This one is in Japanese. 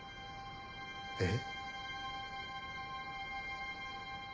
えっ？